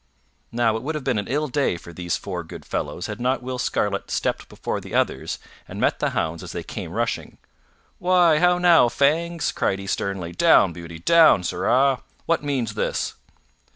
Now it would have been an ill day for these four good fellows had not Will Scarlet stepped before the others and met the hounds as they came rushing. "Why, how now, Fangs!" cried he sternly. "Down, Beauty! Down, sirrah! What means this?"